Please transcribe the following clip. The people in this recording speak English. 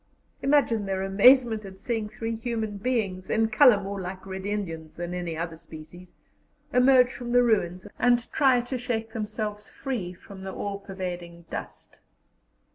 Imagine their amazement at seeing three human beings, in colour more like Red Indians than any other species, emerge from the ruins and try to shake themselves free from the all pervading dust.